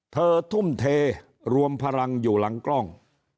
ทุ่มเทรวมพลังอยู่หลังกล้อง